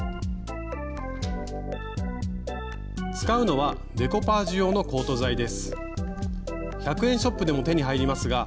使うのはデコパージュ用のコート剤です。